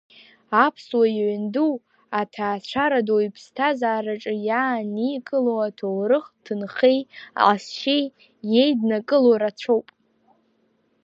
Аԥсуа иҩнду, аҭаацәара ду иԥсҭазаараҿы иааникыло аҭоурыхтә ҭынхеи аҟазшьеи иеиднакыло рацәоуп.